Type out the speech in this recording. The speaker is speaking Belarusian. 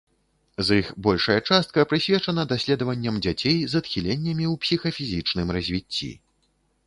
З іх большая частка прысвечана даследаванням дзяцей з адхіленнямі ў псіхафізічным развіцці.